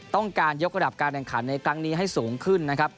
ต้องการยกระดับการแข่งขันในครั้งนี้ให้สูงขึ้นนะครับ